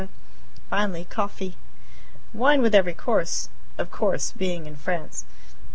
finally coffee. Wine with every course, of course, being in France.